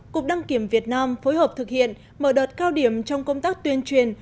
cục đăng kiểm việt nam phối hợp thực hiện mở đợt cao điểm trong công tác tuyên truyền